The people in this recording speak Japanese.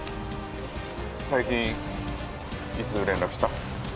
最近いつ連絡した？